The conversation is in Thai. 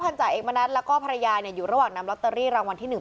จ่าเอกมณัฐแล้วก็ภรรยาเนี่ยอยู่ระหว่างนำลอตเตอรี่รางวัลที่หนึ่ง